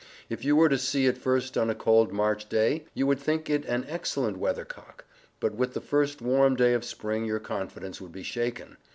If you were to see it first on a cold March day, you would think it an excellent weather cock; but with the first warm day of spring your confidence would be shaken.